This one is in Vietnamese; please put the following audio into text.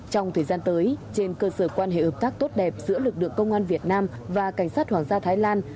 trong thời gian tới trên cơ sở quan hệ hợp tác tốt đẹp giữa lực lượng công an việt nam và cảnh sát hoàng gia thái lan